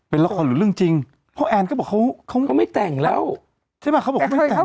เป็นละครหรือเรื่องจริงเพราะแอนก็บอกเขาเขาก็ไม่แต่งแล้วใช่ไหมเขาบอกว่าไม่แต่ง